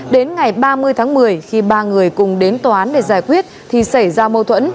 đến ngày ba mươi tháng một mươi khi ba người cùng đến tòa án để giải quyết thì xảy ra mâu thuẫn